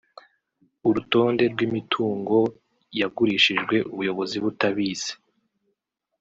urutonde rw’imitungoy agurishijwe ubuyobozi butabizi